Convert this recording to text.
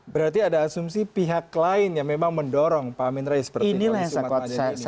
berarti ada asumsi pihak lain yang memang mendorong pak amin rais seperti yang di sumatera